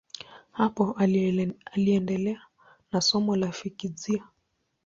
Hapo aliendelea na somo la fizikia.